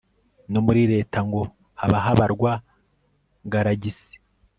bo muri leta ngo haba habarwa galagisi